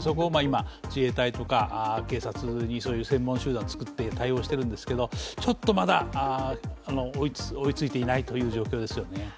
そこを今、自衛隊とか警察にそういう専門集団をつくって対応してるんですけど、ちょっとまだ追いついていないという状況ですよね。